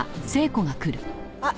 あっ。